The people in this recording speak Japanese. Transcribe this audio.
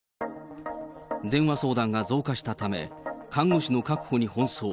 電話相談が増加したため、看護師の確保に奔走。